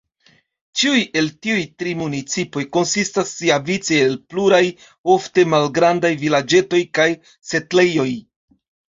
Ĉiuj el tiuj tri municipoj konsistas siavice el pluraj ofte malgrandaj vilaĝetoj kaj setlejoj.